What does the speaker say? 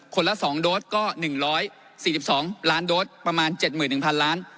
ละ๒โดสก็๑๔๒ล้านโดสประมาณ๗๑๐๐๐ล้าน